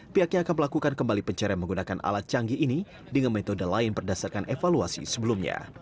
pihaknya akan melakukan kembali pencarian menggunakan alat canggih ini dengan metode lain berdasarkan evaluasi sebelumnya